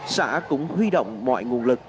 xã cũng huy động mọi nguồn lực